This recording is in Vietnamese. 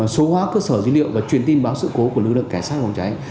số hóa cơ sở dữ liệu và truyền tin báo sự cố của lực lượng cảnh sát phòng cháy